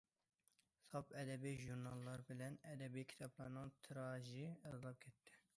ساپ ئەدەبىي ژۇرناللار بىلەن ئەدەبىي كىتابلارنىڭ تىراژى ئازلاپ كەتتى.